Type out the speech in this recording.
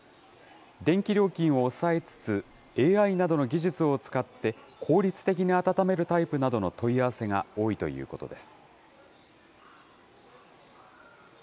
電気料金を抑えつつ、ＡＩなどの技術を使って、効率的に暖めるタイプなどの問い合わせが多いということです。